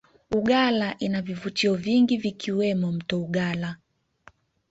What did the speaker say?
uggala inavivutio vingi vikiwemo mto ugalla